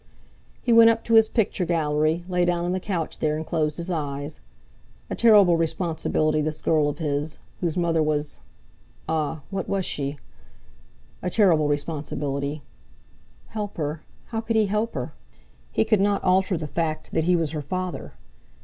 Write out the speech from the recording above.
He went up to his picture gallery, lay down on the couch there, and closed his eyes. A terrible responsibility this girl of his—whose mother was—ah! what was she? A terrible responsibility! Help her—how could he help her? He could not alter the fact that he was her father.